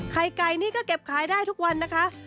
ไข่ไก่นี่ก็เก็บขายได้ทุกวันนะคะ